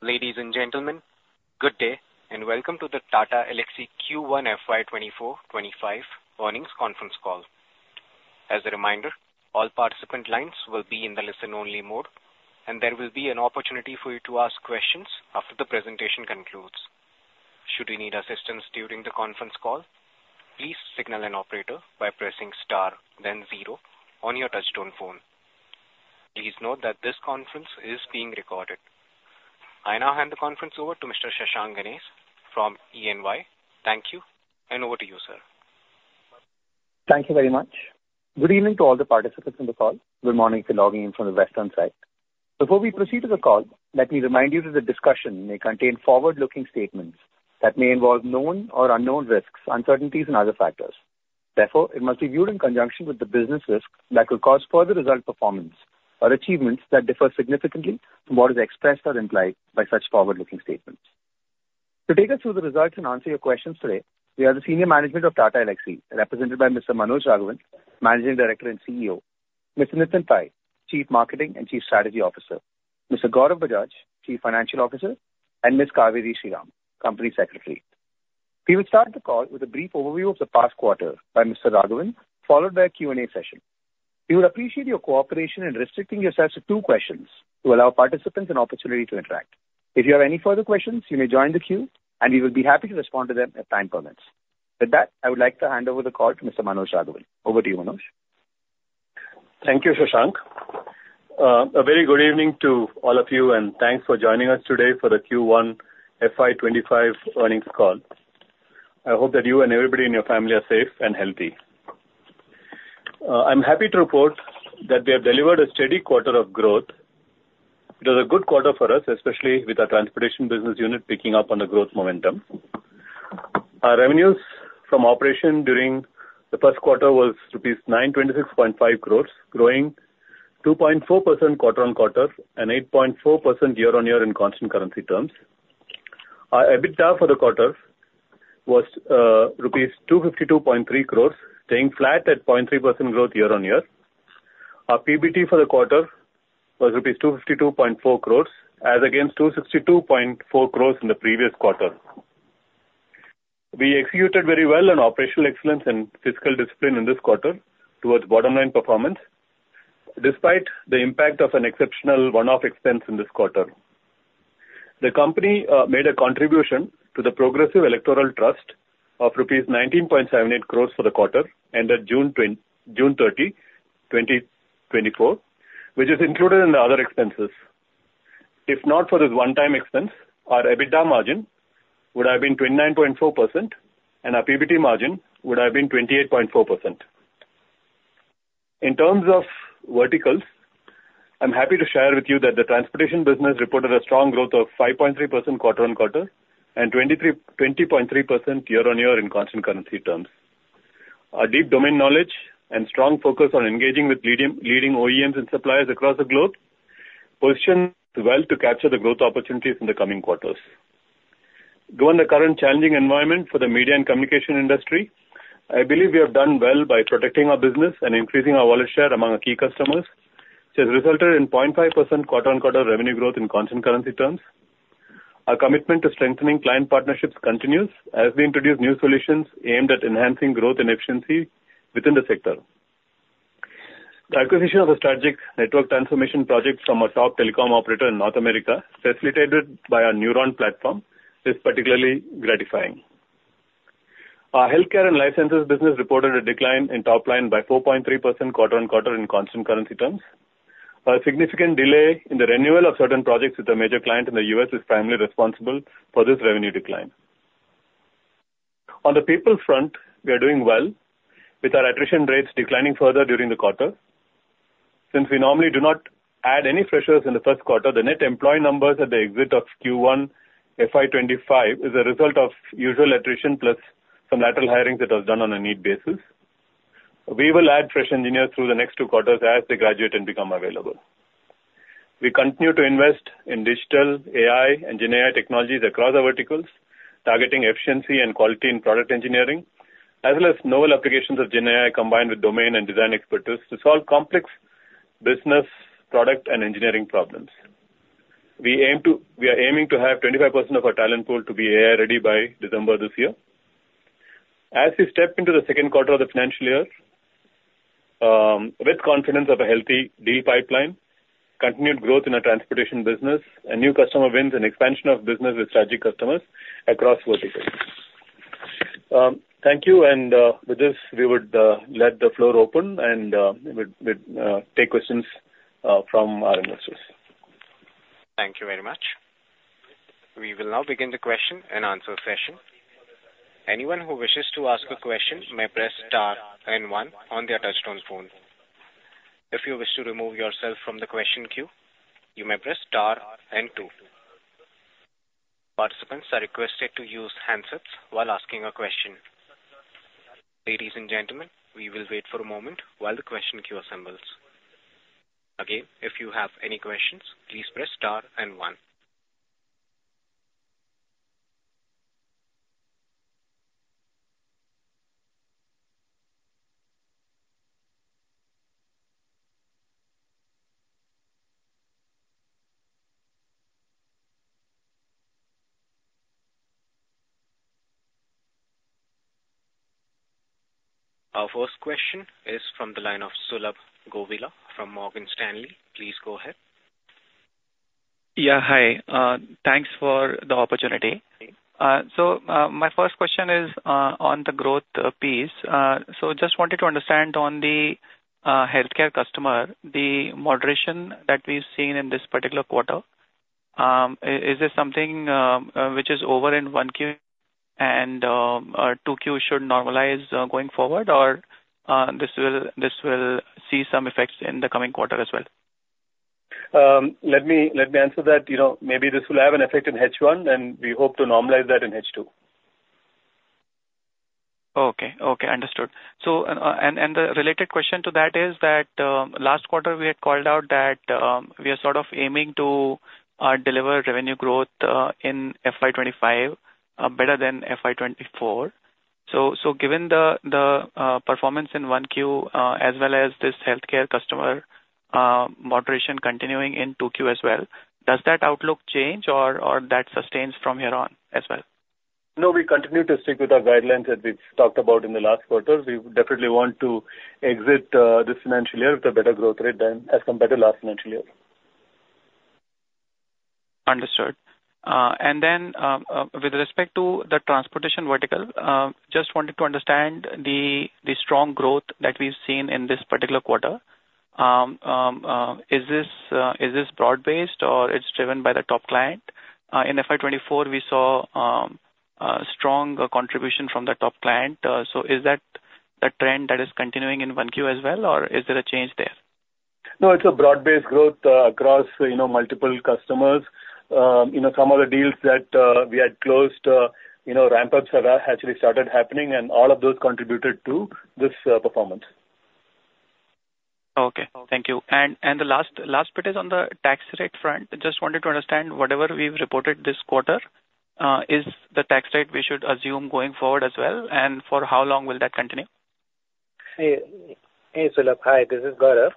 Ladies and gentlemen, good day, and welcome to the Tata Elxsi Q1 FY 2024-2025 Earnings Conference Call. As a reminder, all participant lines will be in the listen-only mode, and there will be an opportunity for you to ask questions after the presentation concludes. Should you need assistance during the conference call, please signal an operator by pressing star then zero on your touchtone phone. Please note that this conference is being recorded. I now hand the conference over to Mr. Shashank Ganesh from EY. Thank you, and over to you, sir. Thank you very much. Good evening to all the participants on the call. Good morning if you're logging in from the Western side. Before we proceed to the call, let me remind you that the discussion may contain forward-looking statements that may involve known or unknown risks, uncertainties and other factors. Therefore, it must be viewed in conjunction with the business risk that could cause further result performance or achievements that differ significantly from what is expressed or implied by such forward-looking statements. To take us through the results and answer your questions today, we have the senior management of Tata Elxsi, represented by Mr. Manoj Raghavan, Managing Director and CEO, Mr. Nitin Pai, Chief Marketing and Chief Strategy Officer, Mr. Gaurav Bajaj, Chief Financial Officer, and Ms. Cauveri Sriram, Company Secretary. We will start the call with a brief overview of the past quarter by Mr. Raghavan, followed by a Q&A session. We would appreciate your cooperation in restricting yourselves to two questions to allow participants an opportunity to interact. If you have any further questions, you may join the queue, and we will be happy to respond to them as time permits. With that, I would like to hand over the call to Mr. Manoj Raghavan. Over to you, Manoj. Thank you, Shashank. A very good evening to all of you, and thanks for joining us today for the Q1 FY 2025 earnings call. I hope that you and everybody in your family are safe and healthy. I'm happy to report that we have delivered a steady quarter of growth. It was a good quarter for us, especially with our transportation business unit picking up on the growth momentum. Our revenues from operation during the first quarter was rupees 926.5 crores, growing 2.4% QoQ and 8.4% YoY in constant currency terms. Our EBITDA for the quarter was rupees 252.3 crores, staying flat at 0.3% growth YoY. Our PBT for the quarter was rupees 252.4 crores, as against 262.4 crores in the previous quarter. We executed very well on operational excellence and fiscal discipline in this quarter towards bottom line performance, despite the impact of an exceptional one-off expense in this quarter. The company made a contribution to the Progressive Electoral Trust of rupees 19.78 crores for the quarter ended June 30, 2024, which is included in the other expenses. If not for this one-time expense, our EBITDA margin would have been 29.4%, and our PBT margin would have been 28.4%. In terms of verticals, I'm happy to share with you that the transportation business reported a strong growth of 5.3% QoQ and 23... 20.3% YoY in constant currency terms. Our deep domain knowledge and strong focus on engaging with leading OEMs and suppliers across the globe position us well to capture the growth opportunities in the coming quarters. Given the current challenging environment for the media and communication industry, I believe we have done well by protecting our business and increasing our wallet share among our key customers, which has resulted in 0.5% QoQ revenue growth in constant currency terms. Our commitment to strengthening client partnerships continues as we introduce new solutions aimed at enhancing growth and efficiency within the sector. The acquisition of a strategic network transformation project from a top telecom operator in North America, facilitated by our NEURON platform, is particularly gratifying. Our healthcare and licenses business reported a decline in top line by 4.3% QoQ in constant currency terms. A significant delay in the renewal of certain projects with a major client in the U.S. is primarily responsible for this revenue decline. On the people front, we are doing well, with our attrition rates declining further during the quarter. Since we normally do not add any freshers in the first quarter, the net employee numbers at the exit of Q1 FY2025 is a result of usual attrition plus some lateral hiring that was done on a need basis. We will add fresh engineers through the next two quarters as they graduate and become available. We continue to invest in digital, AI, and Gen AI technologies across our verticals, targeting efficiency and quality in product engineering, as well as novel applications of Gen AI combined with domain and design expertise to solve complex business, product, and engineering problems. We aim to... We are aiming to have 25% of our talent pool to be AI ready by December this year. As we step into the second quarter of the financial year, with confidence of a healthy deal pipeline, continued growth in our transportation business and new customer wins and expansion of business with strategic customers across verticals. Thank you, and, with this, we would let the floor open, and, we'd take questions from our investors. Thank you very much. We will now begin the question and answer session. Anyone who wishes to ask a question may press star and one on their touchtone phone. If you wish to remove yourself from the question queue, you may press star and two. Participants are requested to use handsets while asking a question. Ladies and gentlemen, we will wait for a moment while the question queue assembles. Again, if you have any questions, please press star and one. Our first question is from the line of Sulabh Govila from Morgan Stanley. Please go ahead. Yeah, hi. Thanks for the opportunity. So, my first question is on the growth piece. So just wanted to understand on the healthcare customer, the moderation that we've seen in this particular quarter. Is this something which is over in 1Q and 2Q should normalize going forward? Or this will see some effects in the coming quarter as well? Let me answer that. You know, maybe this will have an effect in H1, and we hope to normalize that in H2. Okay. Okay, understood. So, and the related question to that is that, last quarter we had called out that, we are sort of aiming to deliver revenue growth, in FY 25, better than FY 24. So, given the performance in 1Q, as well as this healthcare customer moderation continuing in 2Q as well, does that outlook change or that sustains from here on as well? No, we continue to stick with our guidelines that we've talked about in the last quarter. We definitely want to exit, this financial year with a better growth rate than... as compared to last financial year. Understood. And then, with respect to the transportation vertical, just wanted to understand the, the strong growth that we've seen in this particular quarter. Is this, is this broad-based or it's driven by the top client? In FY 2024, we saw, strong contribution from the top client. So is that the trend that is continuing in 1Q as well, or is there a change there? No, it's a broad-based growth, across, you know, multiple customers. You know, some of the deals that we had closed, you know, ramp-ups have actually started happening, and all of those contributed to this, performance. Okay, thank you. And the last bit is on the tax rate front. Just wanted to understand, whatever we've reported this quarter, is the tax rate we should assume going forward as well, and for how long will that continue? Hey. Hey, Sulabh. Hi, this is Gaurav.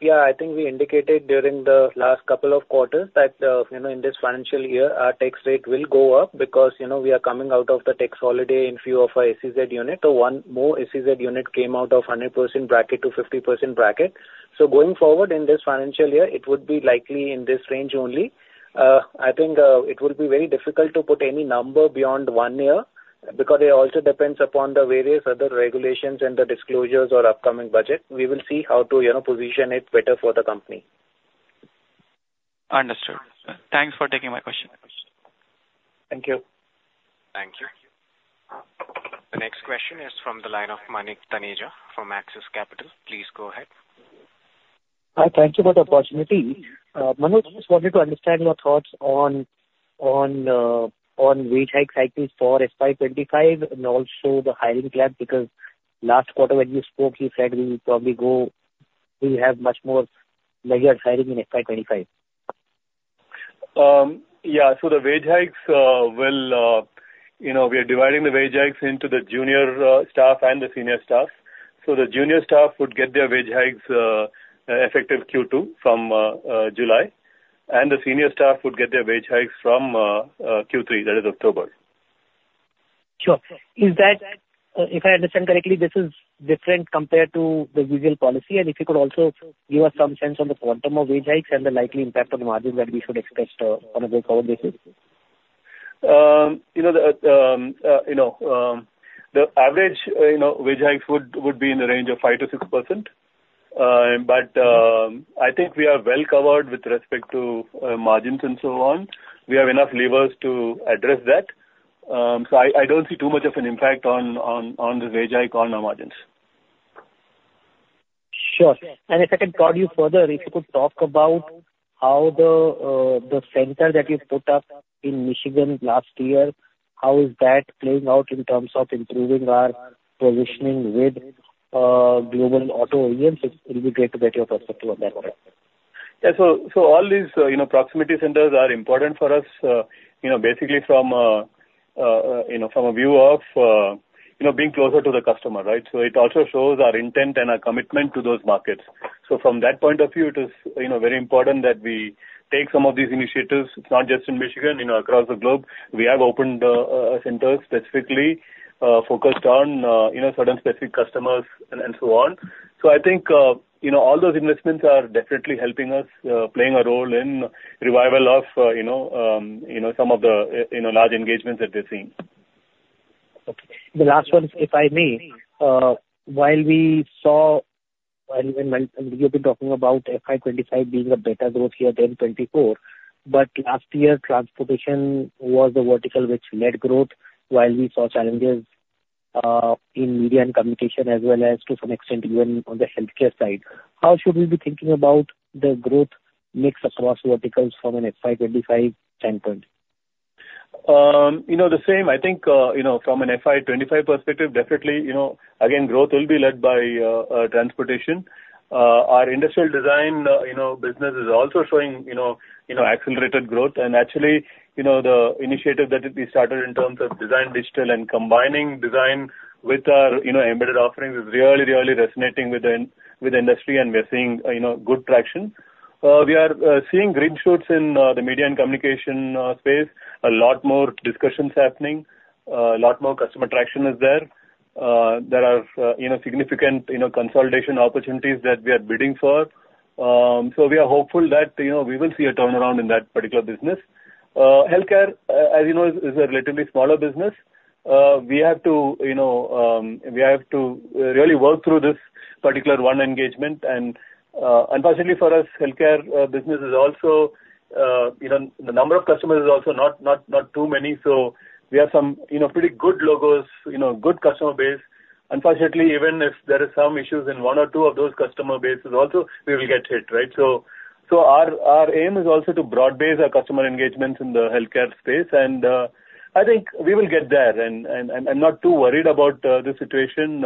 Yeah, I think we indicated during the last couple of quarters that, you know, in this financial year, our tax rate will go up because, you know, we are coming out of the tax holiday in few of our SEZ unit. So one more SEZ unit came out of 100% bracket to 50% bracket. So going forward in this financial year, it would be likely in this range only. I think, it would be very difficult to put any number beyond one year because it also depends upon the various other regulations and the disclosures or upcoming budget. We will see how to, you know, position it better for the company. Understood. Thanks for taking my question. Thank you. Thank you. The next question is from the line of Manik Taneja from Axis Capital. Please go ahead. Hi, thank you for the opportunity. Manoj, I just wanted to understand your thoughts on wage hike cycles for FY 25 and also the hiring plan, because last quarter when you spoke, you said we will probably go... We have much more leisure hiring in FY 25. Yeah. So the wage hikes will, you know, we are dividing the wage hikes into the junior staff and the senior staff. So the junior staff would get their wage hikes effective Q2 from July, and the senior staff would get their wage hikes from Q3, that is October. Sure. Is that, if I understand correctly, this is different compared to the usual policy? If you could also give us some sense on the quantum of wage hikes and the likely impact on the margin that we should expect, on a going forward basis. You know, the average wage hikes would be in the range of 5%-6%. But I think we are well covered with respect to margins and so on. We have enough levers to address that. So I don't see too much of an impact on the wage hike on our margins. Sure. And if I could prod you further, if you could talk about how the center that you put up in Michigan last year, how is that playing out in terms of improving our positioning with global auto OEMs? It would be great to get your perspective on that. Yeah. So, so all these, you know, proximity centers are important for us, you know, basically from, you know, from a view of, you know, being closer to the customer, right? So it also shows our intent and our commitment to those markets. So from that point of view, it is, you know, very important that we take some of these initiatives. It's not just in Michigan, you know, across the globe, we have opened, centers specifically, focused on, you know, certain specific customers and, and so on. So I think, you know, all those investments are definitely helping us, playing a role in revival of, you know, you know, some of the, you know, large engagements that we're seeing. Okay. The last one, if I may, while we saw... When you've been talking about FY 25 being a better growth year than 24, but last year transportation was the vertical which led growth while we saw challenges in media and communication, as well as to some extent even on the healthcare side. How should we be thinking about the growth mix across verticals from an FY 25 standpoint? You know, the same, I think, you know, from an FY 25 perspective, definitely, you know, again, growth will be led by transportation. Our industrial design, you know, you know, accelerated growth. And actually, you know, the initiative that we started in terms of design, digital, and combining design with our, you know, embedded offerings is really, really resonating with the industry, and we're seeing, you know, good traction. We are seeing green shoots in the media and communication space. A lot more discussions happening, a lot more customer traction is there. There are, you know, significant, you know, consolidation opportunities that we are bidding for. So we are hopeful that, you know, we will see a turnaround in that particular business. Healthcare, as you know, is a relatively smaller business. We have to, you know, we have to really work through this particular one engagement. And, unfortunately for us, healthcare business is also, you know, the number of customers is also not too many. So we have some, you know, pretty good logos, you know, good customer base. Unfortunately, even if there is some issues in one or two of those customer bases also, we will get hit, right? So our aim is also to broad-base our customer engagements in the healthcare space, and I think we will get there. And I'm not too worried about the situation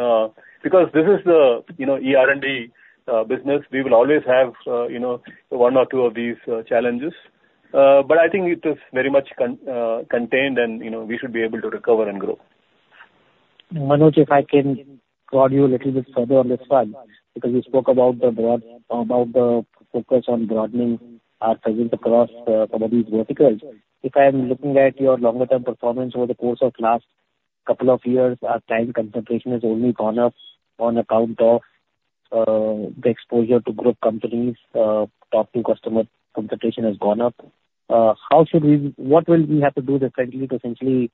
because this is the, you know, ER&D business. We will always have, you know, one or two of these challenges. But I think it is very much contained and, you know, we should be able to recover and grow. Manoj, if I can prod you a little bit further on this one, because you spoke about the focus on broadening our presence across some of these verticals. If I'm looking at your longer-term performance over the course of last couple of years, our client concentration has only gone up on account of the exposure to group companies. Top two customer concentration has gone up. How should we—what will we have to do differently to essentially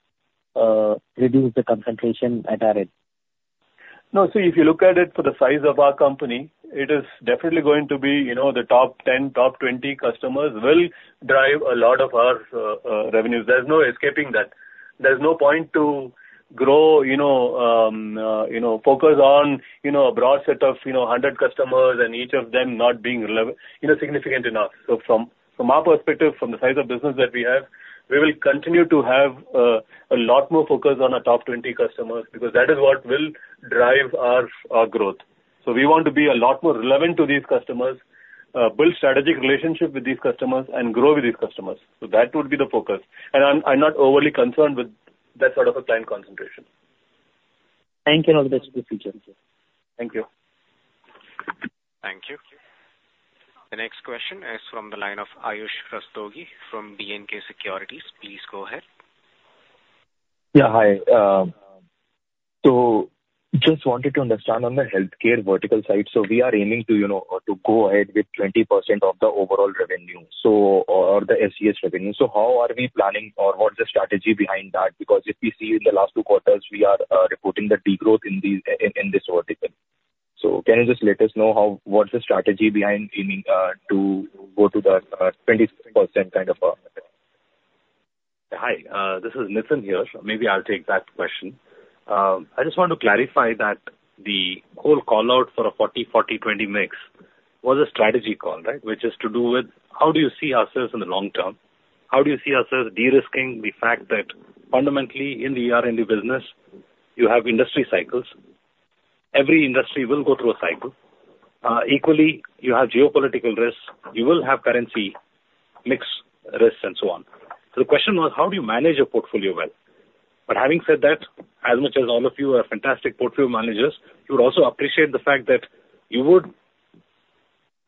reduce the concentration at our end? No, see, if you look at it for the size of our company, it is definitely going to be, you know, the top 10, top 20 customers will drive a lot of our revenues. There's no escaping that. There's no point to grow, you know, you know, focus on, you know, a broad set of, you know, 100 customers and each of them not being relevant, you know, significant enough. So from our perspective, from the size of business that we have, we will continue to have a lot more focus on our top 20 customers, because that is what will drive our growth. So we want to be a lot more relevant to these customers, build strategic relationships with these customers and grow with these customers. So that would be the focus. And I'm not overly concerned with that sort of a client concentration. Thank you, and all the best for the future. Thank you. Thank you. The next question is from the line of Aayush Rastogi from B&K Securities. Please go ahead. Yeah, hi. So just wanted to understand on the healthcare vertical side. So we are aiming to, you know, to go ahead with 20% of the overall revenue, so, or the SDS revenue. So how are we planning or what's the strategy behind that? Because if we see in the last two quarters, we are reporting the degrowth in this vertical. So can you just let us know how... what's the strategy behind aiming to go to the 20% kind of? Hi, this is Nitin here. Maybe I'll take that question. I just want to clarify that the whole call out for a 40-40-20 mix was a strategy call, right? Which is to do with how do you see ourselves in the long term? How do you see ourselves de-risking the fact that fundamentally in the R&D business, you have industry cycles. Every industry will go through a cycle. Equally, you have geopolitical risks, you will have currency mix risks and so on. So the question was: How do you manage your portfolio well? But having said that, as much as all of you are fantastic portfolio managers, you would also appreciate the fact that you would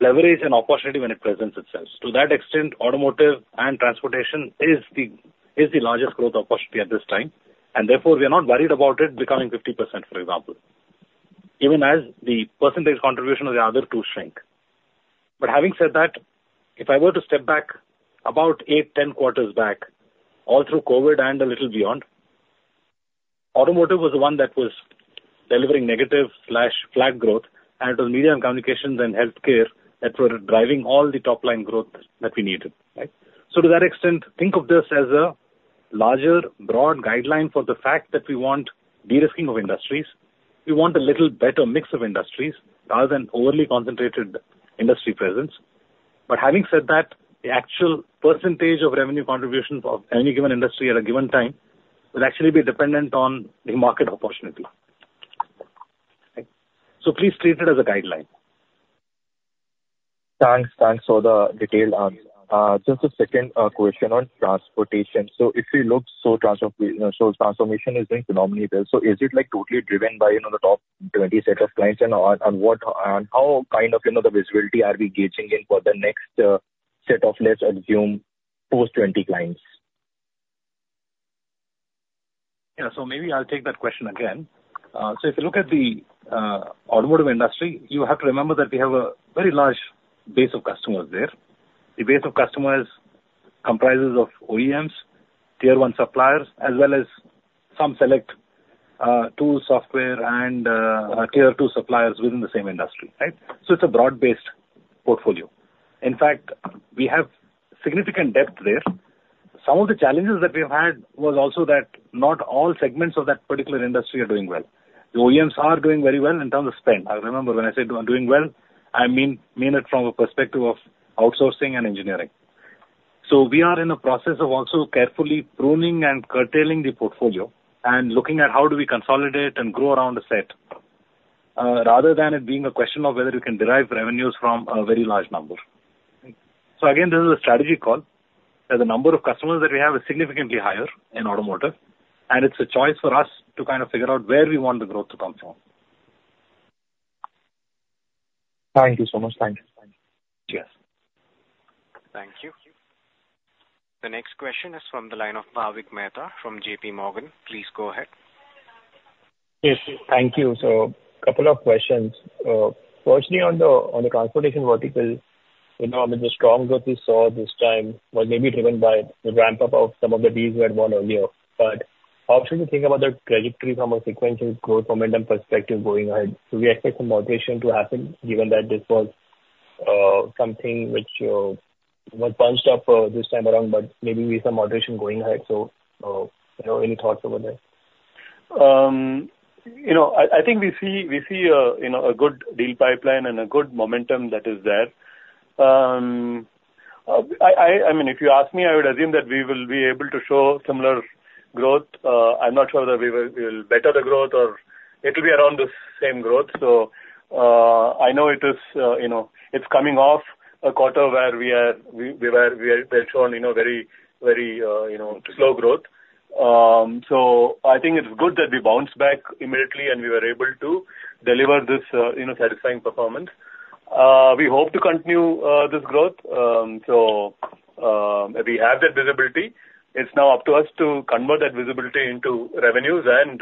leverage an opportunity when it presents itself. To that extent, automotive and transportation is the largest growth opportunity at this time, and therefore, we are not worried about it becoming 50%, for example, even as the percentage contribution of the other two shrink. But having said that, if I were to step back about 8, 10 quarters back, all through COVID and a little beyond, automotive was the one that was delivering negative/flat growth, and it was media and communications and healthcare that were driving all the top-line growth that we needed, right? So to that extent, think of this as a larger, broad guideline for the fact that we want de-risking of industries. We want a little better mix of industries, rather than overly concentrated industry presence. But having said that, the actual percentage of revenue contribution of any given industry at a given time will actually be dependent on the market opportunity. Okay? Please treat it as a guideline. Thanks. Thanks for the detail. Just a second, question on transportation. So if you look, so transformation is doing phenomenally well. So is it, like, totally driven by, you know, the top 20 set of clients? And on, on what, and how kind of, you know, the visibility are we gauging in for the next set of, let's assume, post-20 clients? Yeah, so maybe I'll take that question again. So if you look at the automotive industry, you have to remember that we have a very large base of customers there. The base of customers comprises of OEMs, Tier 1 suppliers, as well as some select tool software and Tier Two suppliers within the same industry, right? So it's a broad-based portfolio. In fact, we have significant depth there. Some of the challenges that we have had was also that not all segments of that particular industry are doing well. The OEMs are doing very well in terms of spend. Now, remember, when I said doing well, I mean it from a perspective of outsourcing and engineering. So we are in the process of also carefully pruning and curtailing the portfolio and looking at how do we consolidate and grow around a set, rather than it being a question of whether you can derive revenues from a very large number. So again, this is a strategy call, that the number of customers that we have is significantly higher in automotive, and it's a choice for us to kind of figure out where we want the growth to come from.... Thank you so much. Thank you. Cheers! Thank you. The next question is from the line of Bhavik Mehta from J.P. Morgan. Please go ahead. Yes, thank you. So couple of questions. Firstly, on the transportation vertical, you know, I mean, the strong growth we saw this time was maybe driven by the ramp-up of some of the deals we had won earlier. But how should we think about the trajectory from a sequential growth momentum perspective going ahead? Do we expect some moderation to happen, given that this was something which was bunched up this time around, but maybe we see some moderation going ahead? So, you know, any thoughts over there? You know, I think we see a good deal pipeline and a good momentum that is there. I mean, if you ask me, I would assume that we will be able to show similar growth. I'm not sure that we will better the growth, or it'll be around the same growth. So, I know it is, you know, it's coming off a quarter where we were, we had shown, you know, very, very, you know, slow growth. So I think it's good that we bounced back immediately, and we were able to deliver this, you know, satisfying performance. We hope to continue this growth. So, we have that visibility. It's now up to us to convert that visibility into revenues and,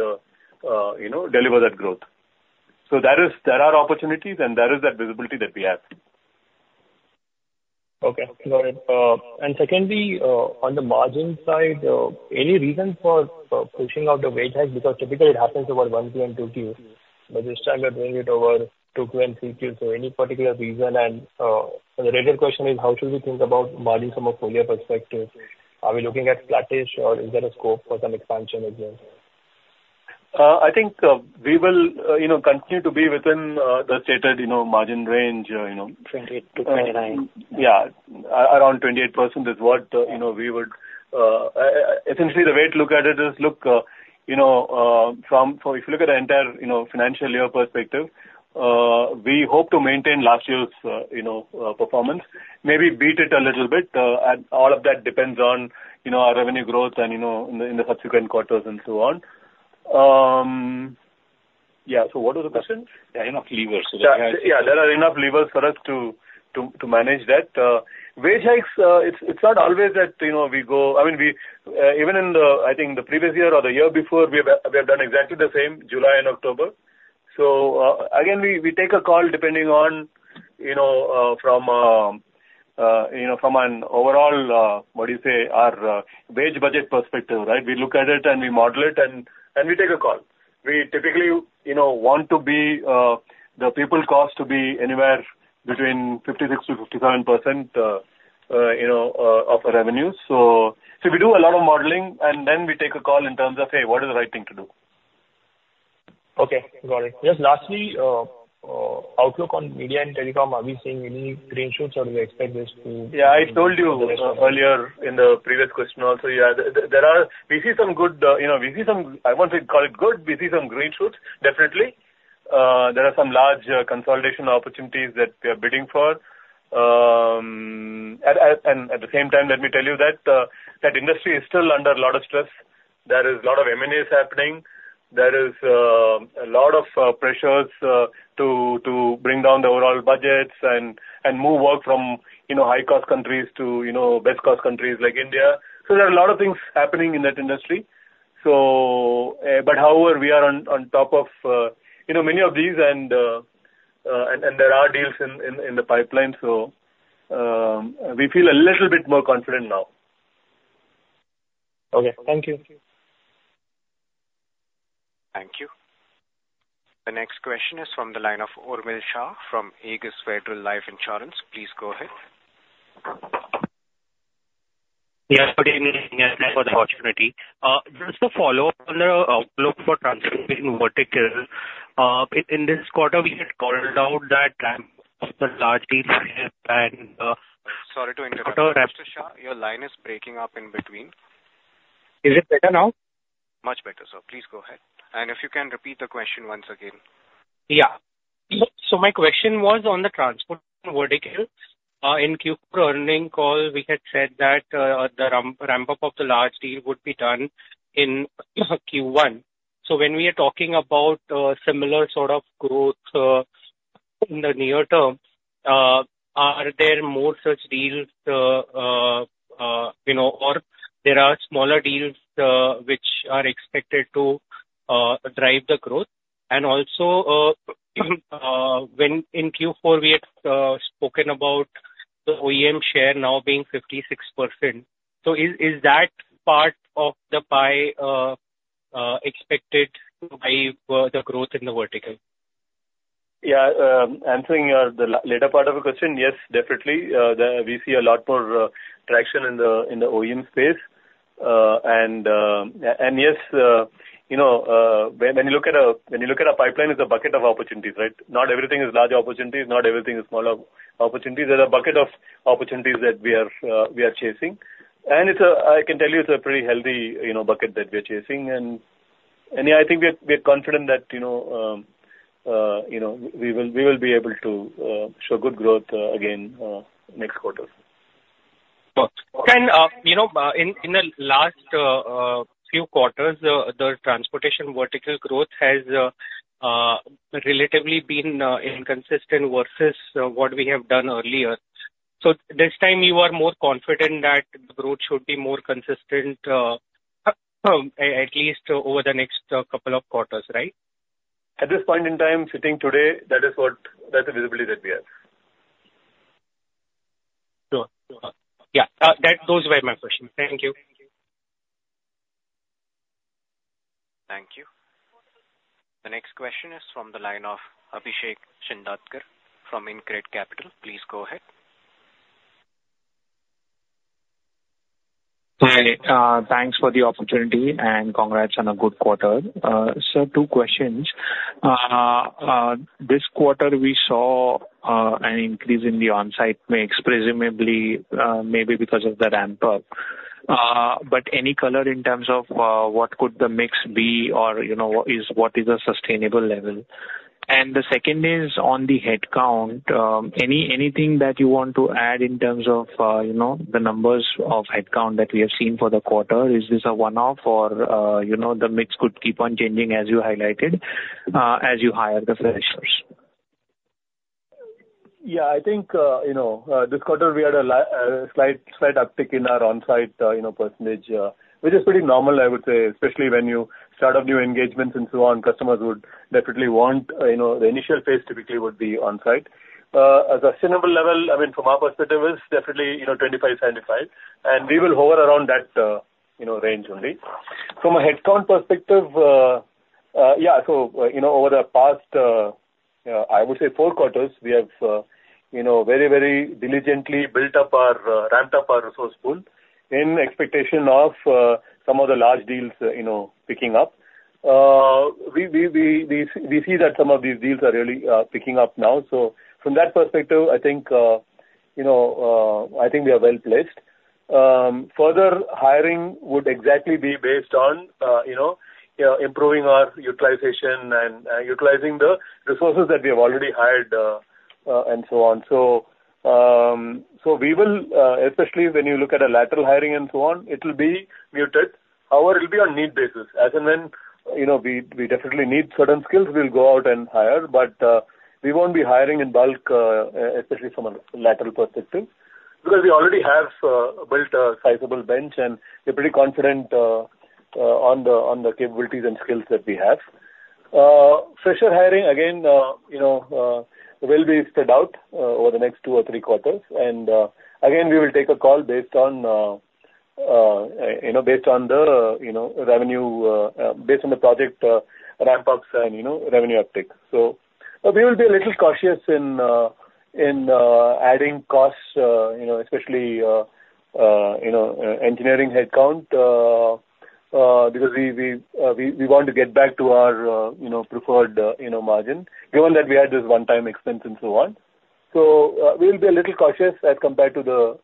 you know, deliver that growth. So there is... There are opportunities, and there is that visibility that we have. Okay, got it. And secondly, on the margin side, any reason for pushing out the wage hike? Because typically it happens over 1Q and 2Q, but this time we are doing it over 2Q and 3Q. So any particular reason? And, so the related question is: how should we think about margin from a full year perspective? Are we looking at flatness, or is there a scope for some expansion as well? I think, we will, you know, continue to be within, the stated, you know, margin range, you know- 28% to 29%. Yeah. Around 28% is what, you know, we would... Essentially, the way to look at it is, look, you know, from, so if you look at the entire, you know, financial year perspective, we hope to maintain last year's, you know, performance, maybe beat it a little bit. And all of that depends on, you know, our revenue growth and, you know, in the, in the subsequent quarters and so on. Yeah, so what was the question? There are enough levers, so- Yeah, there are enough levers for us to manage that. Wage hikes, it's not always that, you know, we go... I mean, we even in the, I think the previous year or the year before, we have done exactly the same, July and October. So, again, we take a call, depending on, you know, from an overall, what do you say, our wage budget perspective, right? We look at it, and we model it, and we take a call. We typically, you know, want the people cost to be anywhere between 56%-57% of revenue. So, we do a lot of modeling, and then we take a call in terms of, "Hey, what is the right thing to do? Okay, got it. Just lastly, outlook on media and telecom, are we seeing any green shoots, or do we expect this to- Yeah, I told you earlier in the previous question also. Yeah, there are. We see some good, you know, we see some. I won't call it good. We see some green shoots, definitely. There are some large consolidation opportunities that we are bidding for. And at the same time, let me tell you that that industry is still under a lot of stress. There is a lot of M&As happening. There is a lot of pressures to bring down the overall budgets and move work from, you know, high-cost countries to, you know, best-cost countries like India. So there are a lot of things happening in that industry. So, but however, we are on top of, you know, many of these, and there are deals in the pipeline, so we feel a little bit more confident now. Okay. Thank you. Thank you. The next question is from the line of Urmil Shah from Ageas Federal Life Insurance. Please go ahead. Yes, good evening, and thanks for the opportunity. Just to follow up on the outlook for transportation vertical. In this quarter, we had called out that ramp of the large deal and- Sorry to interrupt, Mr. Shah. Your line is breaking up in between. Is it better now? Much better, sir. Please go ahead. If you can repeat the question once again. Yeah. So my question was on the transport vertical. In Q4 earnings call, we had said that the ramp up of the large deal would be done in Q1. So when we are talking about similar sort of growth in the near term, are there more such deals, you know, or there are smaller deals which are expected to drive the growth? And also, when in Q4, we had spoken about the OEM share now being 56%. So is that part of the pie expected to drive the growth in the vertical? Yeah. Answering your, the latter part of the question, yes, definitely, we see a lot more traction in the, in the OEM space. And, and yes, you know, when, when you look at a, when you look at our pipeline, it's a bucket of opportunities, right? Not everything is large opportunities, not everything is smaller opportunities. There's a bucket of opportunities that we are, we are chasing. And it's I can tell you it's a pretty healthy, you know, bucket that we are chasing. And, and, yeah, I think we are, we are confident that, you know, you know, we will, we will be able to show good growth, again, next quarter.... And, you know, in the last few quarters, the transportation vertical growth has relatively been inconsistent versus what we have done earlier. So this time you are more confident that growth should be more consistent, at least over the next couple of quarters, right? At this point in time, sitting today, that's the visibility that we have. Sure. Yeah. Those were my questions. Thank you. Thank you. The next question is from the line of Abhishek Shindadkar from InCred Capital. Please go ahead. Hi, thanks for the opportunity, and congrats on a good quarter. So two questions. This quarter we saw an increase in the on-site mix, presumably, maybe because of the ramp-up. But any color in terms of what could the mix be or, you know, what is a sustainable level? And the second is on the headcount. Anything that you want to add in terms of, you know, the numbers of headcount that we have seen for the quarter? Is this a one-off or, you know, the mix could keep on changing as you highlighted, as you hire the freshers? Yeah, I think, you know, this quarter we had a slight uptick in our on-site, you know, percentage, which is pretty normal, I would say, especially when you start up new engagements and so on. Customers would definitely want, you know, the initial phase typically would be on-site. A sustainable level, I mean, from our perspective, is definitely, you know, 25-75, and we will hover around that, you know, range only. From a headcount perspective, yeah, so, you know, over the past, I would say four quarters, we have, you know, very, very diligently built up our, ramped up our resource pool in expectation of, some of the large deals, you know, picking up. We see that some of these deals are really picking up now. So from that perspective, I think, you know, I think we are well-placed. Further hiring would exactly be based on, you know, improving our utilization and utilizing the resources that we have already hired, and so on. So we will, especially when you look at a lateral hiring and so on, it will be muted. However, it will be on need basis. As and when, you know, we definitely need certain skills, we'll go out and hire, but we won't be hiring in bulk, especially from a lateral perspective, because we already have built a sizable bench, and we're pretty confident on the capabilities and skills that we have. Fresher hiring, again, you know, will be spread out over the next two or three quarters. And, again, we will take a call based on, you know, based on the, you know, revenue, based on the project ramp-ups and, you know, revenue uptick. So we will be a little cautious in adding costs, you know, especially, you know, engineering headcount, because we want to get back to our, you know, preferred, you know, margin, given that we had this one-time expense and so on. So, we'll be a little cautious as compared to the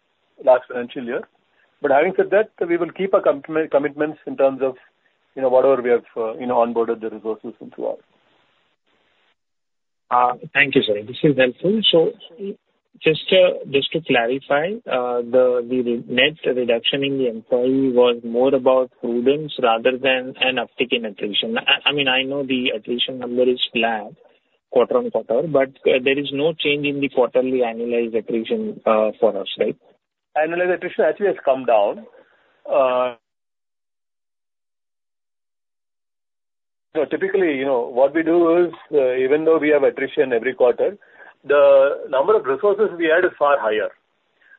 last financial year. But having said that, we will keep our commitments in terms of, you know, whatever we have, you know, onboarded the resources and so on. Thank you, sir. This is helpful. So just to clarify, the net reduction in the employee was more about prudence rather than an uptick in attrition. I mean, I know the attrition number is flat QoQ, but there is no change in the quarterly annualized attrition for us, right? Annualized attrition actually has come down. So typically, you know, what we do is, even though we have attrition every quarter, the number of resources we add is far higher.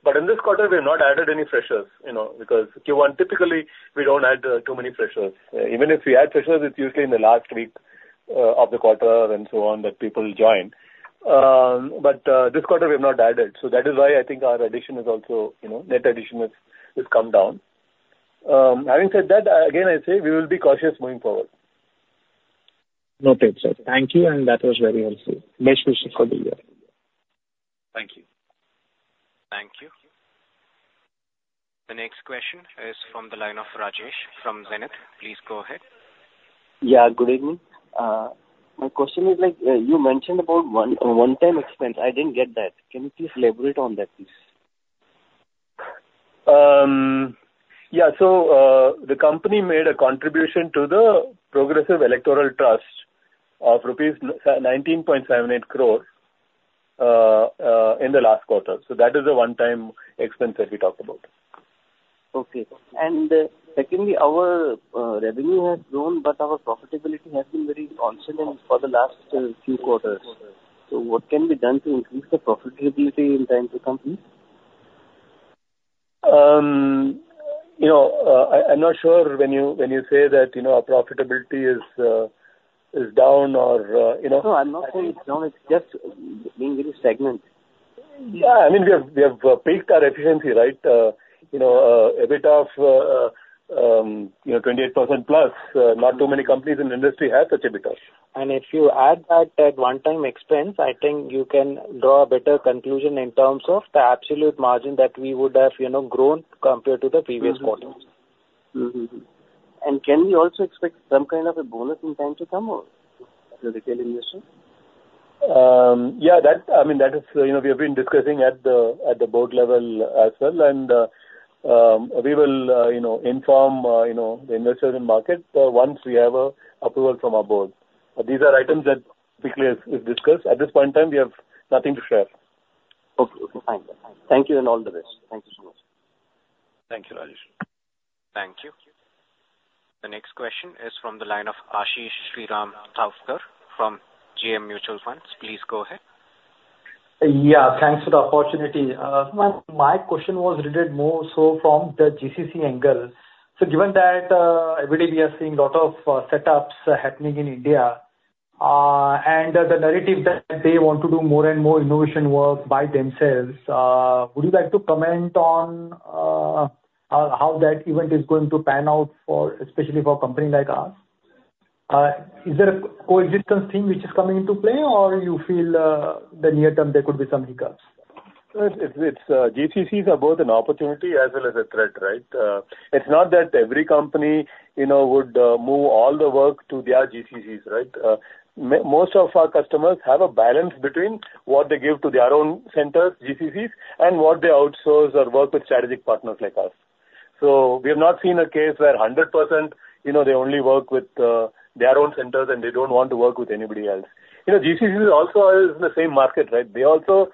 But in this quarter, we have not added any freshers, you know, because, Q1, typically, we don't add too many freshers. Even if we add freshers, it's usually in the last week of the quarter and so on, that people join. But this quarter we have not added, so that is why I think our addition is also, you know, net addition is, is come down. Having said that, again, I say we will be cautious moving forward. Noted, sir. Thank you, and that was very helpful. Best wishes for the year. Thank you. Thank you. The next question is from the line of Rajesh from Zenith. Please go ahead. Yeah, good evening. My question is, like, you mentioned about one, a one-time expense. I didn't get that. Can you please elaborate on that, please? Yeah. The company made a contribution to the Progressive Electoral Trust of rupees 19.78 crores in the last quarter. That is the one-time expense that we talked about. Okay. And secondly, our revenue has grown, but our profitability has been very constant for the last few quarters. So what can be done to increase the profitability in time to come, please? You know, I'm not sure when you, when you say that, you know, our profitability is down or, you know- No, I'm not saying it's down. It's just being very stagnant. Yeah, I mean, we have, we have peaked our efficiency, right? You know, a bit of you know, 28% plus, not too many companies in the industry have such EBITDA. If you add that one-time expense, I think you can draw a better conclusion in terms of the absolute margin that we would have, you know, grown compared to the previous quarter. Mm-hmm. Mm-hmm. Can we also expect some kind of a bonus in time to come or as a retail investor? ...Yeah, that, I mean, that is, you know, we have been discussing at the board level as well. We will, you know, inform, you know, the investors and market, once we have a approval from our board. These are items that weekly is discussed. At this point in time, we have nothing to share. Okay, thank you. Thank you, and all the best. Thank you so much. Thank you, Rajesh. Thank you. The next question is from the line of Ashish Shriram Thavkar from JM Mutual Fund. Please go ahead. Yeah, thanks for the opportunity. My question was related more so from the GCC angle. So given that, every day we are seeing a lot of setups happening in India, and the narrative that they want to do more and more innovation work by themselves, would you like to comment on how that event is going to pan out for, especially for a company like us? Is there a coexistence thing which is coming into play, or you feel the near term there could be some hiccups? GCCs are both an opportunity as well as a threat, right? It's not that every company, you know, would move all the work to their GCCs, right? Most of our customers have a balance between what they give to their own centers, GCCs, and what they outsource or work with strategic partners like us. So we have not seen a case where 100%, you know, they only work with their own centers, and they don't want to work with anybody else. You know, GCCs also are in the same market, right? They also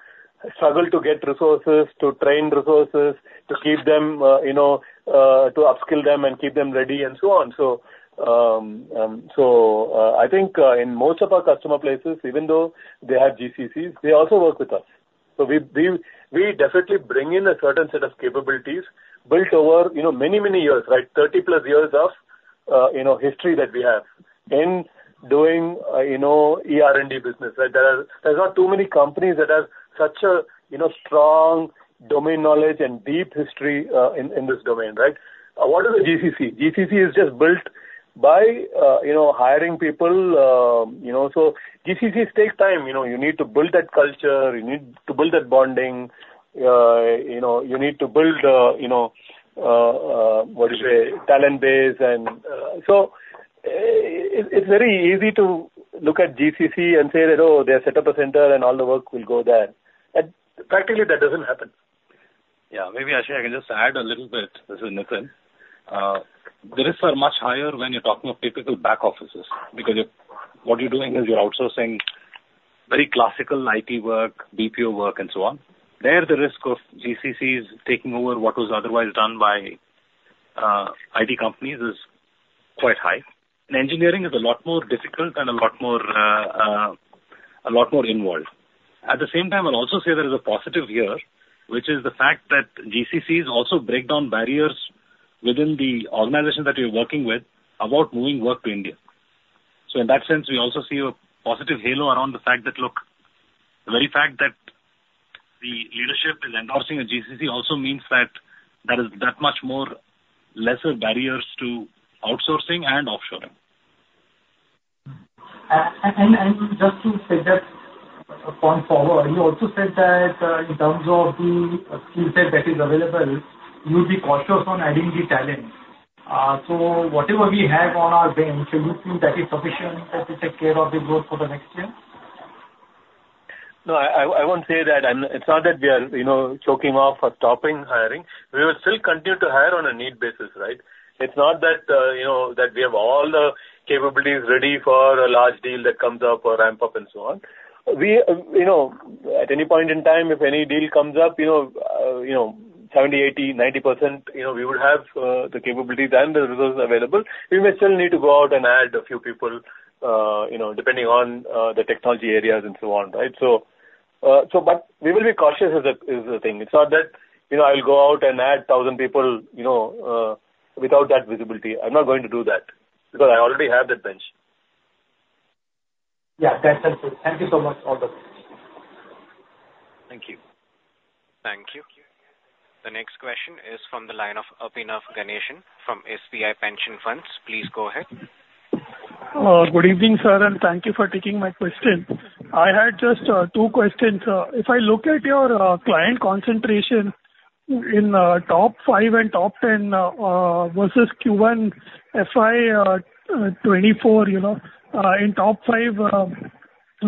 struggle to get resources, to train resources, to keep them, you know, to upskill them and keep them ready and so on. So, I think, in most of our customer places, even though they have GCCs, they also work with us. So we definitely bring in a certain set of capabilities built over, you know, many, many years, right? 30-plus years of, you know, history that we have in doing, you know, ER&D business, right? There are not too many companies that have such a, you know, strong domain knowledge and deep history, in this domain, right? What is a GCC? GCC is just built by, you know, hiring people. You know, so GCCs take time. You know, you need to build that culture, you need to build that bonding, you know, you need to build, you know, what do you say? Talent base. And, so it's very easy to look at GCC and say that, "Oh, they set up a center, and all the work will go there." But practically, that doesn't happen. Yeah, maybe, Ashish, I can just add a little bit. This is Nitin. The risks are much higher when you're talking of typical back offices, because if what you're doing is you're outsourcing very classical IT work, BPO work, and so on. There, the risk of GCCs taking over what was otherwise done by IT companies is quite high. And engineering is a lot more difficult and a lot more involved. At the same time, I'll also say there is a positive here, which is the fact that GCCs also break down barriers within the organizations that we're working with about moving work to India. So in that sense, we also see a positive halo around the fact that, look, the very fact that the leadership is endorsing a GCC also means that there is that much more lesser barriers to outsourcing and offshoring. And just to take that point forward, you also said that in terms of the skillset that is available, you'll be cautious on adding the talent. So whatever we have on our bench, do you think that is sufficient enough to take care of the growth for the next year? No, I won't say that. I'm. It's not that we are, you know, choking off or stopping hiring. We will still continue to hire on a need basis, right? It's not that, you know, that we have all the capabilities ready for a large deal that comes up or ramp up and so on. We, you know, at any point in time, if any deal comes up, you know, you know, 70, 80, 90%, you know, we would have, the capabilities and the resources available. We may still need to go out and add a few people, you know, depending on, the technology areas and so on, right? So, so but we will be cautious is the thing. It's not that, you know, I'll go out and add 1,000 people, you know, without that visibility. I'm not going to do that because I already have that bench. Yeah, that's helpful. Thank you so much. All the best. Thank you. Thank you. The next question is from the line of Abhinav Ganeshan from SBI Pension Funds. Please go ahead. Good evening, sir, and thank you for taking my question. I had just two questions. If I look at your client concentration in top five and top ten versus Q1 FY 2024, you know. In top five,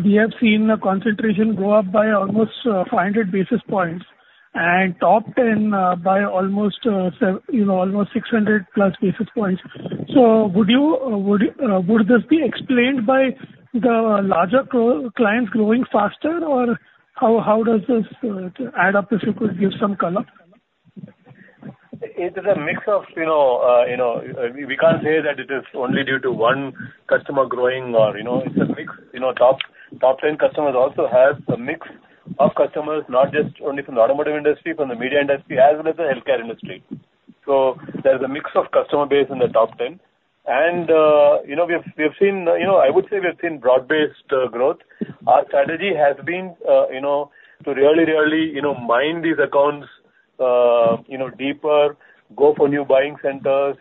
we have seen the concentration go up by almost 500 basis points, and top ten by almost 600+ basis points. So would this be explained by the larger pro- clients growing faster? Or how does this add up? If you could give some color. It is a mix of, you know, you know... We can't say that it is only due to one customer growing or, you know, it's a mix. You know, top ten customers also have a mix of customers, not just only from the automotive industry, from the media industry, as well as the healthcare industry. So there's a mix of customer base in the top ten. And, you know, we've seen, you know, I would say we've seen broad-based growth. Our strategy has been, you know, to really, really, you know, mine these accounts, you know, deeper, go for new buying centers,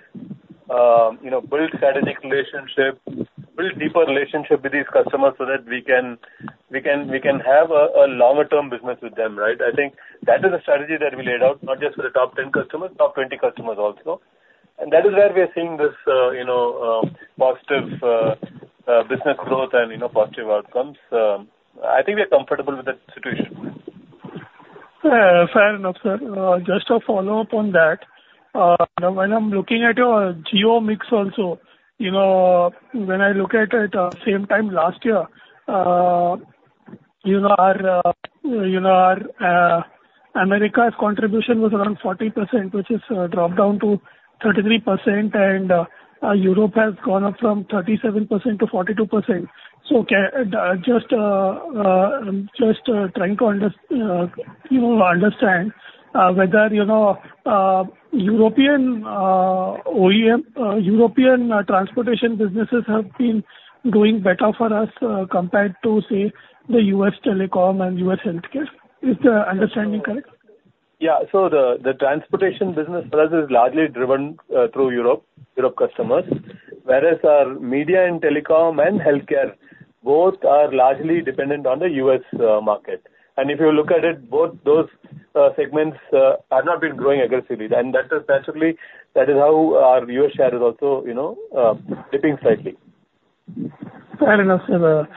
you know, build strategic relationships, build deeper relationship with these customers so that we can have a longer term business with them, right? I think that is a strategy that we laid out, not just for the top 10 customers, top 20 customers also. That is where we are seeing this, you know, positive business growth and, you know, positive outcomes. I think we are comfortable with that situation. Fair enough, sir. Just a follow-up on that. When I'm looking at your geo mix also, you know, when I look at it, same time last year, you know, our, you know, our, Americas contribution was around 40%, which is, dropped down to 33%, and, Europe has gone up from 37% to 42%. So can, just, just, trying to understand, you know, whether, you know, European, OEM, European transportation businesses have been doing better for us, compared to, say, the U.S. telecom and U.S. healthcare. Is the understanding correct? Yeah. So the transportation business for us is largely driven through Europe customers. Whereas our media and telecom and healthcare both are largely dependent on the U.S. market. And if you look at it, both those segments have not been growing aggressively. That is basically how our U.S. share is also, you know, dipping slightly. Fair enough, sir.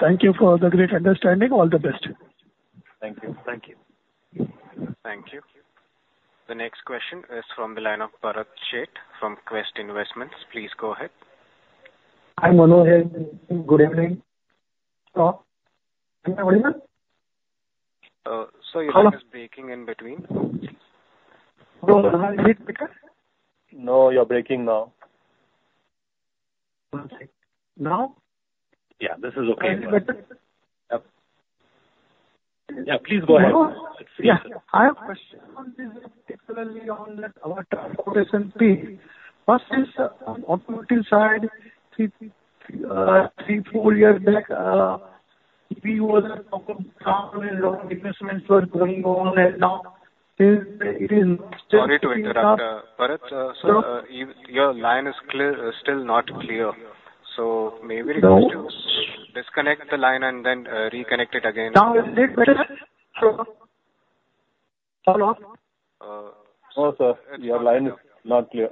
Thank you for the great understanding. All the best. Thank you. Thank you. Thank you. The next question is from the line of Bharat Sheth from Quest Investments. Please go ahead. Hi, Manoj, here. Good evening. Am I audible? Sir, your line- Hello. is breaking in between. No, now is it better? No, you're breaking now. One second. Now? Yeah, this is okay. Any better? Yep. Yeah, please go ahead. Yeah. I have a question on this, particularly on our transportation piece. First is opportunity side, 3-4 years back, we were the problem, and a lot of investments were going on, and now it is, it is- Sorry to interrupt, Bharat. Sure. Your line is clear, still not clear. So maybe request- No. Disconnect the line and then reconnect it again. Now is it better? Hello? Hello. No, sir, your line is not clear.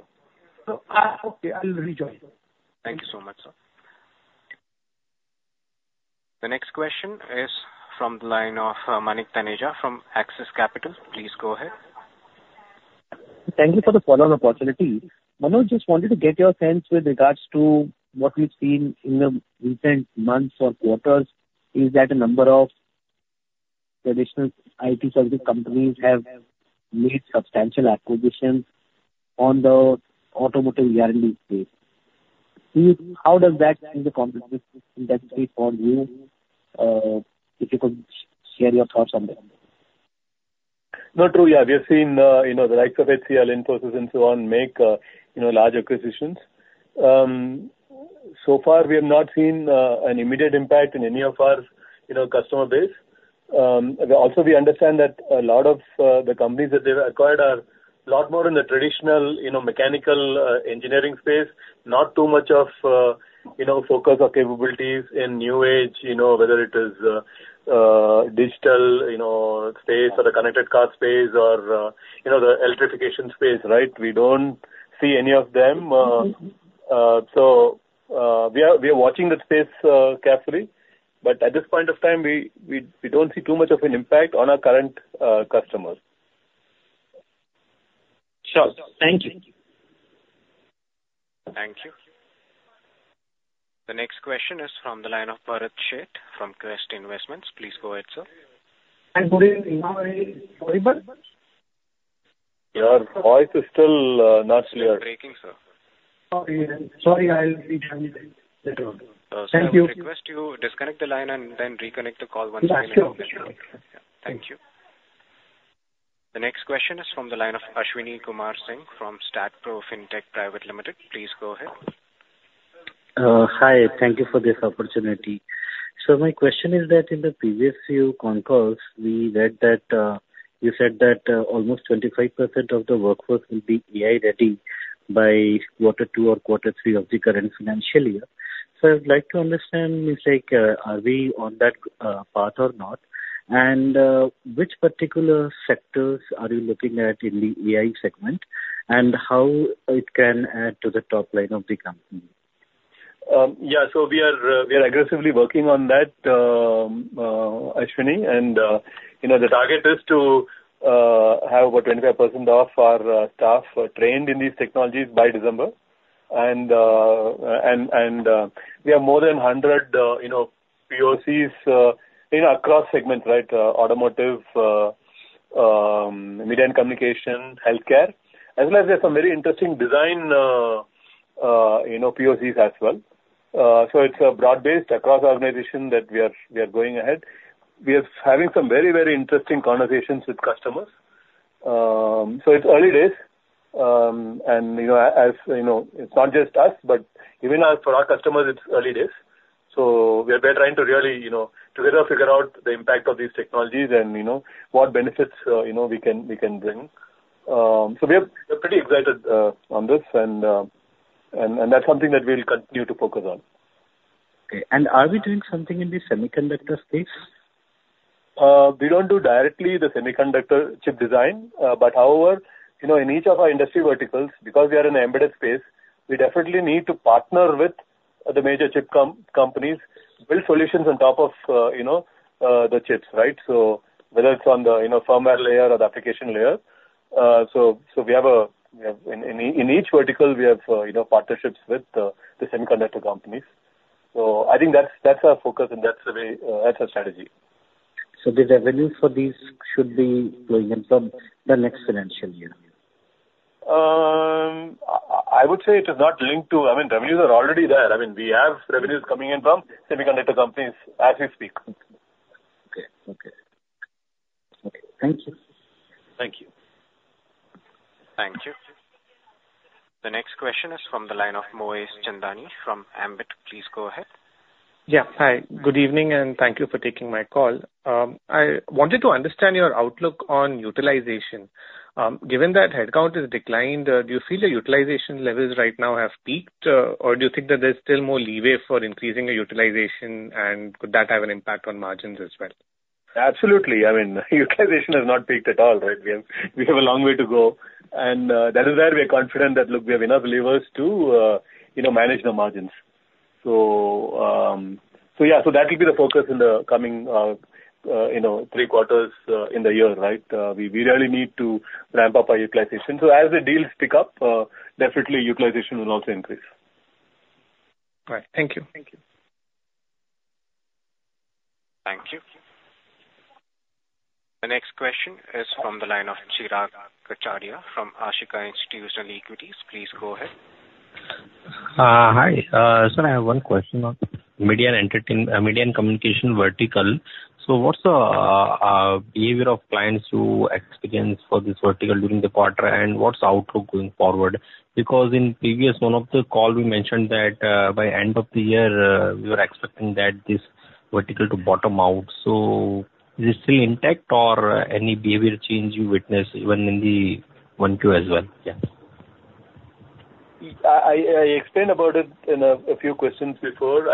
Okay, I will rejoin. Thank you so much, sir. The next question is from the line of Manik Taneja from Axis Capital. Please go ahead. Thank you for the follow-up opportunity. Manoj, just wanted to get your sense with regards to what we've seen in the recent months or quarters, is that a number of traditional IT services companies have made substantial acquisitions on the automotive R&D space. How does that change the competitive landscape for you? If you could share your thoughts on that. No, true. Yeah, we have seen, you know, the likes of HCL, Infosys, and so on, make, you know, large acquisitions. So far, we have not seen, an immediate impact in any of our, you know, customer base. Also, we understand that a lot of, the companies that they've acquired are a lot more in the traditional, you know, mechanical, engineering space, not too much of, you know, focus or capabilities in new age, you know, whether it is, digital, you know, space or the connected car space or, you know, the electrification space, right? We don't see any of them. So, we are watching that space, carefully, but at this point of time, we don't see too much of an impact on our current, customers. Sure. Thank you. Thank you. The next question is from the line of Bharat Sheth from Quest Investments. Please go ahead, sir. Today, am I audible? Your voice is still not clear. Breaking, sir. Okay. Sorry, I'll rejoin later on. Thank you. I would request you disconnect the line and then reconnect the call once again. Yeah, sure. Thank you. The next question is from the line of Ashwini Kumar Singh from Statpro Fintech Pvt. Ltd. Please go ahead. Hi, thank you for this opportunity. So my question is that in the previous few concalls, we read that you said that almost 25% of the workforce will be AI-ready by quarter two or quarter three of the current financial year. So I would like to understand, it's like, are we on that path or not? And which particular sectors are you looking at in the AI segment, and how it can add to the top line of the company? Yeah, so we are aggressively working on that, Ashwini, and you know, the target is to have over 25% of our staff trained in these technologies by December. And we have more than 100, you know, POCs, you know, across segments, right? Automotive, media and communication, healthcare. As well as there are some very interesting design, you know, POCs as well. So it's broad-based across the organization that we are, we are going ahead. We are having some very, very interesting conversations with customers. So it's early days, and you know, as you know, it's not just us, but even our, for our customers, it's early days. So we are trying to really, you know, together figure out the impact of these technologies and, you know, what benefits you know we can bring. We are pretty excited on this, and that's something that we'll continue to focus on. Okay. And are we doing something in the semiconductor space? ... we don't do directly the semiconductor chip design. But however, you know, in each of our industry verticals, because we are in the embedded space, we definitely need to partner with the major chip companies, build solutions on top of, you know, the chips, right? So whether it's on the, you know, firmware layer or the application layer. So we have in each vertical, we have partnerships with the semiconductor companies. So I think that's, that's our focus and that's the way, that's our strategy. So the revenues for these should be flowing in from the next financial year? I would say it is not linked to—I mean, revenues are already there. I mean, we have revenues coming in from semiconductor companies as we speak. Okay. Okay. Okay, thank you. Thank you. Thank you. The next question is from the line of Moez Chandani from Ambit. Please go ahead. Yeah. Hi, good evening, and thank you for taking my call. I wanted to understand your outlook on utilization. Given that headcount has declined, do you feel the utilization levels right now have peaked, or do you think that there's still more leeway for increasing the utilization, and could that have an impact on margins as well? Absolutely. I mean, utilization has not peaked at all, right? We have a long way to go, and that is where we are confident that, look, we have enough levers to you know, manage the margins. So, so yeah, so that will be the focus in the coming you know, three quarters in the year, right? We really need to ramp up our utilization. So as the deals pick up, definitely utilization will also increase. All right. Thank you. Thank you. Thank you. The next question is from the line of Chirag Kachhadiya from Ashika Institutional Equities. Please go ahead. Hi. Sir, I have one question on media and communication vertical. So what's the behavior of clients who experience for this vertical during the quarter, and what's the outlook going forward? Because in previous one of the call, we mentioned that, by end of the year, we were expecting that this vertical to bottom out. So is this still intact or any behavior change you witness even in the Q1 Q2 as well? Yeah. I explained about it in a few questions before.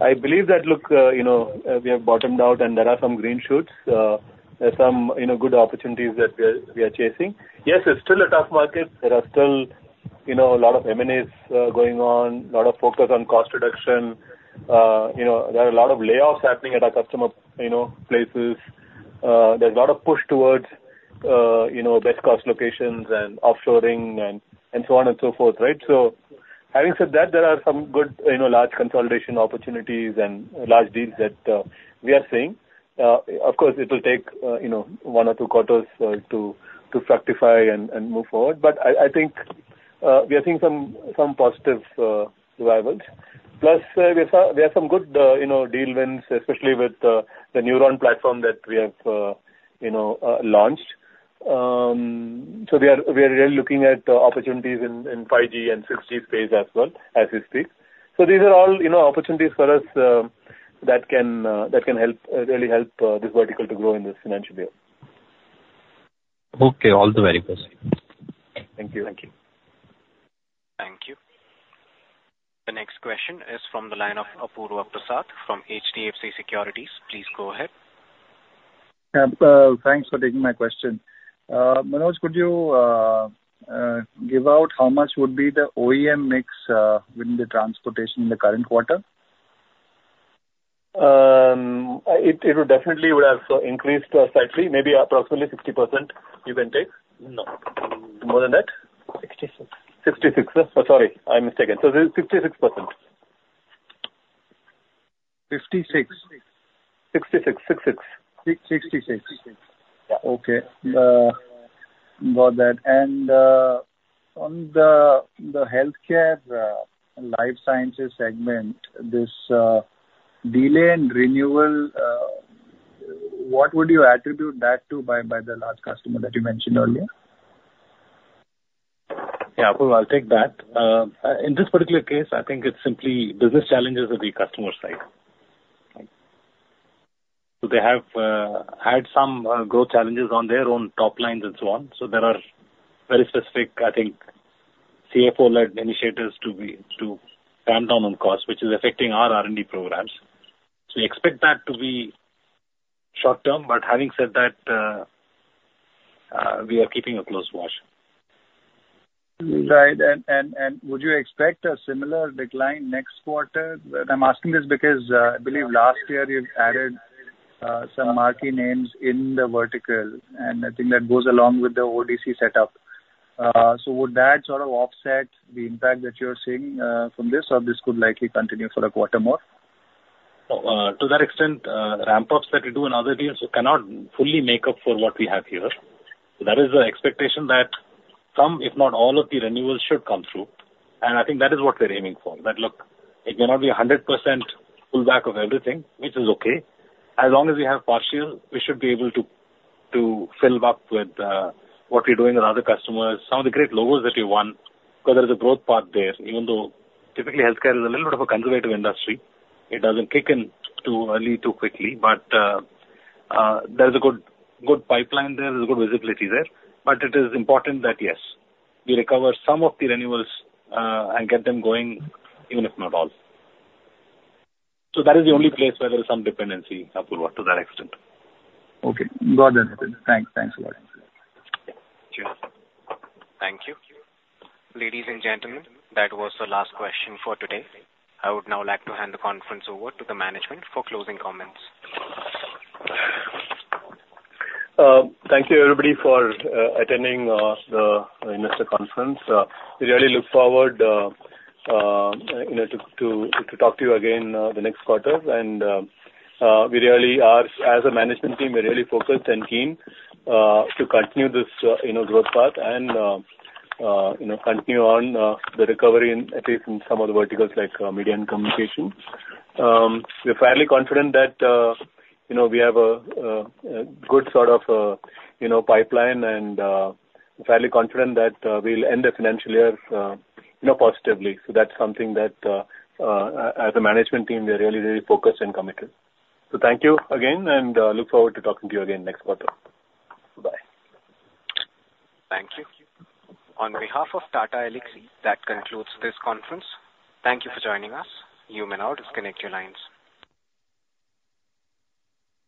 I believe that, look, you know, we have bottomed out and there are some green shoots. There are some, you know, good opportunities that we are chasing. Yes, it's still a tough market. There are still, you know, a lot of M&As going on, a lot of focus on cost reduction. You know, there are a lot of layoffs happening at our customer places. There's a lot of push towards, you know, best cost locations and offshoring and so on and so forth, right? So having said that, there are some good, you know, large consolidation opportunities and large deals that we are seeing. Of course, it will take, you know, one or two quarters to fructify and move forward. But I think we are seeing some positive developments. Plus, we have some good, you know, deal wins, especially with the NEURON platform that we have, you know, launched. So we are really looking at opportunities in 5G and 6G space as well, as we speak. So these are all, you know, opportunities for us that can really help this vertical to grow in this financial year. Okay, all the very best. Thank you. Thank you. Thank you. The next question is from the line of Apurva Prasad from HDFC Securities. Please go ahead. Yeah. Thanks for taking my question. Manoj, could you give out how much would be the OEM mix within the transportation in the current quarter? It would definitely have increased slightly, maybe approximately 60%, you can take. No. More than that? 66. 66, sir. Oh, sorry, I'm mistaken. So it is 66%. 56? 66. 6, 6. 66. Yeah. Okay, got that. On the healthcare life sciences segment, this delay and renewal, what would you attribute that to, by the large customer that you mentioned earlier? Yeah, Apurva, I'll take that. In this particular case, I think it's simply business challenges at the customer side. So they have had some growth challenges on their own top lines and so on. So there are very specific, I think, CFO-led initiatives to ramp down on costs, which is affecting our R&D programs. So we expect that to be short term, but having said that, we are keeping a close watch. Right. And would you expect a similar decline next quarter? I'm asking this because I believe last year you added some marquee names in the vertical, and I think that goes along with the ODC setup. So would that sort of offset the impact that you're seeing from this, or this could likely continue for a quarter more? To that extent, ramp-ups that we do in other deals cannot fully make up for what we have here. So that is the expectation that some, if not all, of the renewals should come through, and I think that is what we're aiming for. But look, it may not be 100% pullback of everything, which is okay. As long as we have partial, we should be able to fill back with what we're doing with other customers, some of the great logos that we won, because there is a growth path there, even though typically healthcare is a little bit of a conservative industry. It doesn't kick in too early, too quickly. But there's a good, good pipeline there. There's a good visibility there. But it is important that, yes, we recover some of the renewals, and get them going, even if not all. So that is the only place where there is some dependency, Apurva, to that extent. Okay, got that. Thanks. Thanks a lot. Sure. Thank you. Ladies and gentlemen, that was the last question for today. I would now like to hand the conference over to the management for closing comments. Thank you, everybody, for attending the investor conference. We really look forward, you know, to talk to you again the next quarter. And, we really are, as a management team, we're really focused and keen to continue this, you know, growth path and, you know, continue on the recovery in, at least in some of the verticals like media and communication. We're fairly confident that, you know, we have a good sort of, you know, pipeline and fairly confident that we'll end the financial year, you know, positively. So that's something that, as a management team, we are really, really focused and committed. So thank you again, and look forward to talking to you again next quarter. Bye. Thank you. On behalf of Tata Elxsi, that concludes this conference. Thank you for joining us. You may now disconnect your lines.